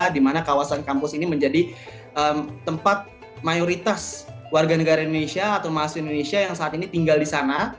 di mana kawasan kampus ini menjadi tempat mayoritas warga negara indonesia atau mahasiswa indonesia yang saat ini tinggal di sana